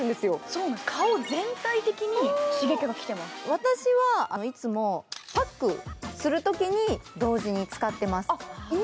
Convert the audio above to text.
私はいつも、パックするときに同時に使っています。